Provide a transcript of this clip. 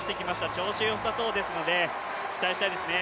調子よさそうですので期待したいですね。